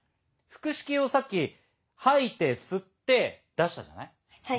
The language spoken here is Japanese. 腹式をさっき吐いて吸って出したじゃない？